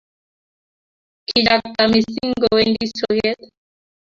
kichakta mising' kowendi soket